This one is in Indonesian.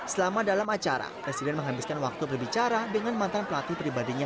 selama dalam acara presiden menghabiskan waktu berbicara dengan mantan pelatih pribadinya